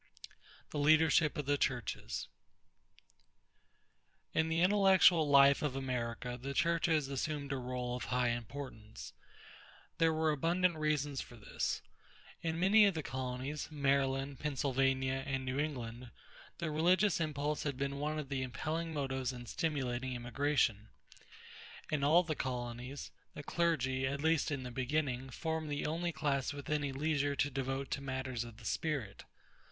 THE LEADERSHIP OF THE CHURCHES In the intellectual life of America, the churches assumed a rôle of high importance. There were abundant reasons for this. In many of the colonies Maryland, Pennsylvania, and New England the religious impulse had been one of the impelling motives in stimulating immigration. In all the colonies, the clergy, at least in the beginning, formed the only class with any leisure to devote to matters of the spirit.